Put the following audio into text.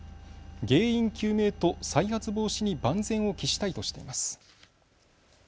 原因究明と再発防止に万全を期したいとしています。